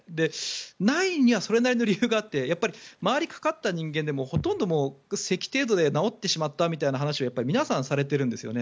ないにはそれなりの理由があって周りにかかった人間でもほとんど、せき程度で治ってしまったみたいな話を皆さんされてるんですよね。